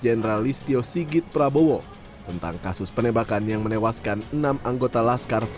jenderal listio sigit prabowo tentang kasus penembakan yang menewaskan enam anggota laskar